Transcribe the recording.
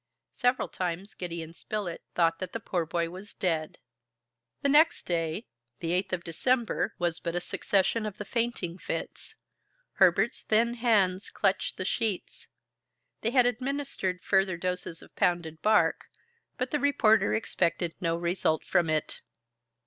Several times Gideon Spilett thought that the poor boy was dead. The next day, the 8th of December, was but a succession of the fainting fits. Herbert's thin hands clutched the sheets. They had administered further doses of pounded bark, but the reporter expected no result from it.